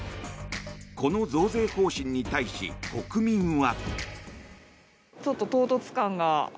この増税方針に対し、国民は。